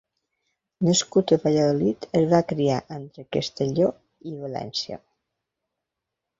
Nascut a Valladolid, es va criar entre Castelló i València.